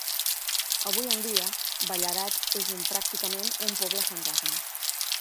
Avui en dia, Ballarat és un pràcticament un poble fantasma.